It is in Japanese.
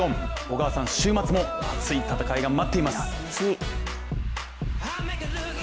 小川さん、週末も熱い戦いが待っています。